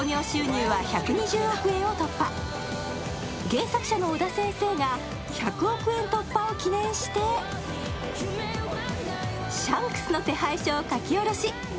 原作者の尾田先生が１００億円突破を記念して、シャンクスの手配書を描き下ろし。